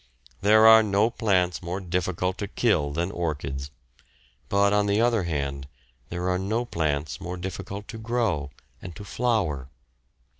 There are no plants more difficult to kill than orchids; but, on the other hand, there are no plants more difficult to grow and to flower.